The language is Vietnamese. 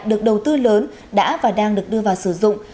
được đầu tư lớn đã và đang được đưa vào sử dụng